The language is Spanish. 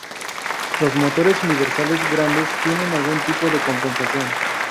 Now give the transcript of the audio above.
Los motores universales grandes tienen algún tipo de compensación.